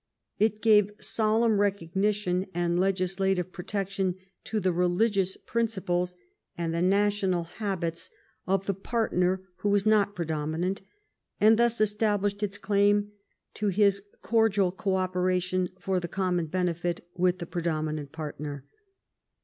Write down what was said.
It gave solemn recogni tion and legislative protection to the religious prin ciples and the national habits of the partner who was not predominant, and thus established its claim to his cordial co operation for the conmion benefit with the predominant partner.